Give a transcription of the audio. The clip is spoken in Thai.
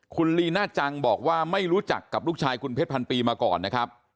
คุณลีน่าจังบอกว่าไม่รู้จักกับลูกชายคุณเพชรพันปีมาก่อนนะครับ